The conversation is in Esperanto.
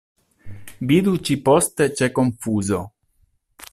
Vidu ĉi-poste ĉe Konfuzo.